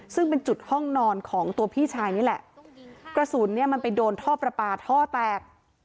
ซึ่งเป็นจุดห้องนอนของตัวพี่ชายนี่แหละกระสุนเนี่ยมันไปโดนท่อประปาท่อแตก